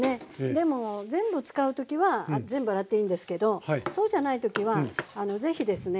でも全部使う時は全部洗っていいんですけどそうじゃない時は是非ですね